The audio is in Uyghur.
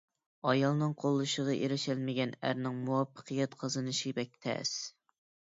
ئايالىنىڭ قوللىشىغا ئېرىشەلمىگەن ئەرنىڭ مۇۋەپپەقىيەت قازىنىشى بەك تەس.